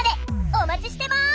お待ちしてます！